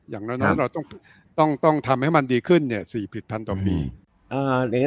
อย่างน้อยต้องทำให้มันดีขึ้น๔พึทย์ต่อปี